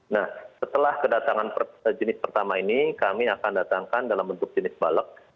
nah setelah kedatangan jenis pertama ini kami akan datangkan dalam bentuk jenis balek